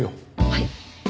はい。